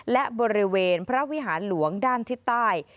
และบริเวณพระวิหารหลวงด้านทิศใต้